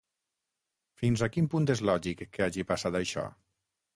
Fins a quin punt és lògic que hagi passat això?